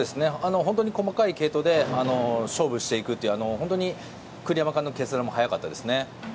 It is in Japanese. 細かい継投で勝負していくという栗山監督の決断も早かったですね。